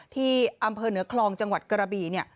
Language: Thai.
ที่อำเภอเหนือคลองจังหวัดกระบี่เนี่ย